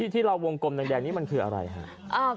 ที่เราวงกลมแดงนี้มันคืออะไรครับ